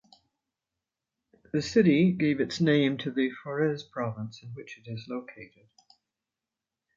The city gave its name to the Forez province in which it is located.